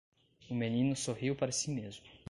O menino sorriu para si mesmo.